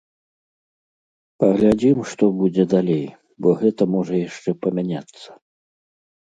Паглядзім, што будзе далей, бо гэта можа яшчэ памяняцца.